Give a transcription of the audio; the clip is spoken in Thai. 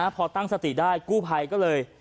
พอตั้งสติได้กู้ภัยก็เลย